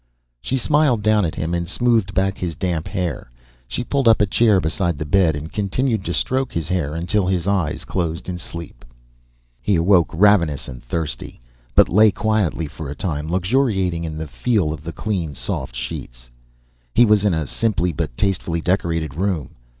She smiled down at him and smoothed back his damp hair. She pulled up a chair beside the bed and continued to stroke his hair until his eyes closed in sleep. He awoke ravenous and thirsty, but lay quietly for a time, luxuriating in the feel of the clean soft sheets. He was in a simply but tastefully decorated room.